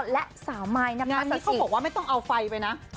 และสาวมายนพัสสิงานนี้เขาบอกว่าไม่ต้องเอาไฟไปนะ